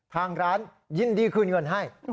ทางร้านยินดีคืนเงินให้